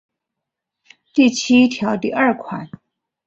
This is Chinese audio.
第七条第二款